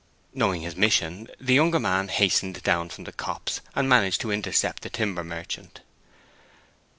Knowing his mission, the younger man hastened down from the copse and managed to intercept the timber merchant.